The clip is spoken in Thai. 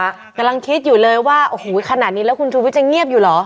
กำลังคิดอยู่เลยว่าโอ้โหขนาดนี้แล้วคุณชูวิทย์จะเงียบอยู่เหรอ